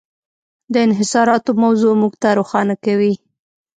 د انحصاراتو موضوع موږ ته روښانه کوي.